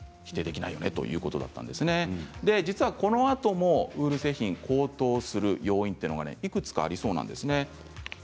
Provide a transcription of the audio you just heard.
実はこのあともウール製品高騰する要因というのがいくつかありそうなんですね。